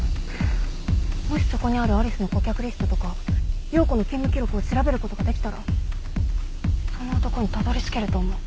もしそこにあるＡＬＩＣＥの顧客リストとか葉子の勤務記録を調べることができたらその男にたどりつけると思う。